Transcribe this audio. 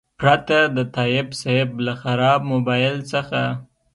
پرته د تایب صیب له خراب موبایل څخه.